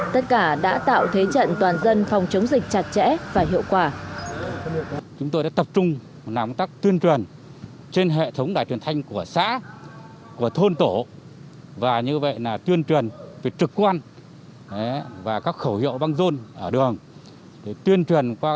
tất cả đã tạo thế trận toàn dân phòng chống dịch chặt chẽ và hiệu quả